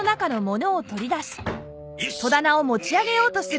よし！